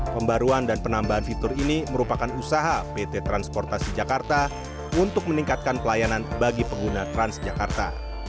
pembaruan dan penambahan fitur ini merupakan usaha pt transportasi jakarta untuk meningkatkan pelayanan bagi pengguna transjakarta